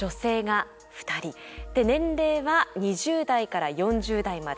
年齢は２０代から４０代まで。